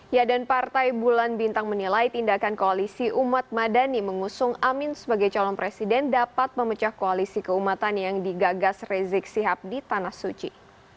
ya dan partai bulan bintang menilai tindakan koalisi umat madani mengusung amin sebagai calon presiden dapat memecah koalisi keumatan yang digagas rizik sihab di tanah suci